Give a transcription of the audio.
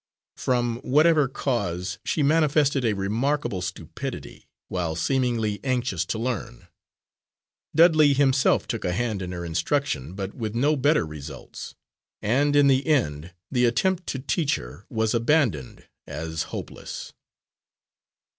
From whatever cause, she manifested a remarkable stupidity, while seemingly anxious to learn. Dudley himself took a hand in her instruction, but with no better results, and, in the end, the attempt to teach her was abandoned as hopeless.